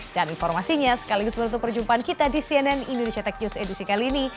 dan informasinya sekaligus menurut perjumpaan kita di cnn indonesia tech news edisi kali ini